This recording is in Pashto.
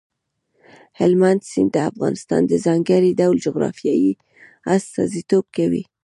هلمند سیند د افغانستان د ځانګړي ډول جغرافیې استازیتوب کوي.